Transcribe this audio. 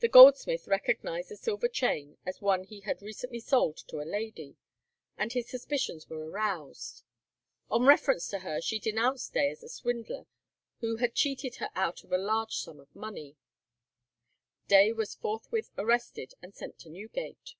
The goldsmith recognized the silver chain as one he had recently sold to a lady, and his suspicions were aroused. On reference to her she denounced Day as a swindler, who had cheated her out of a large sum of money. Day was forthwith arrested and sent to Newgate.